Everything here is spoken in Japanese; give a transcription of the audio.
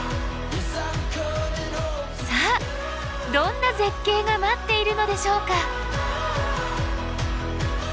さあどんな絶景が待っているのでしょうか？